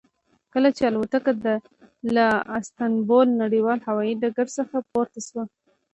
کله چې الوتکه له استانبول نړیوال هوایي ډګر څخه پورته شوه.